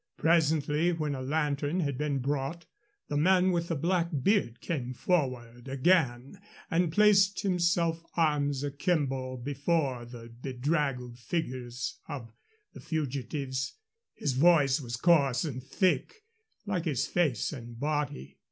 Presently, when a lantern had been brought, the man with the black beard came forward again and placed himself, arms akimbo, before the bedraggled figures of the fugitives. His voice was coarse and thick, like his face and body.